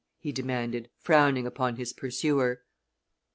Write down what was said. he demanded, frowning upon his pursuer.